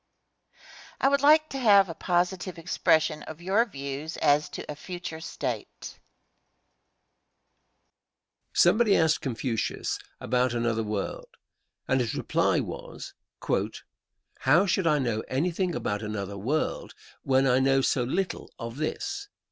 Question. I would like to have a positive expression of your views as to a future state? Answer. Somebody asked Confucius about another world, and his reply was: "How should I know anything about another world when I know so little of this?"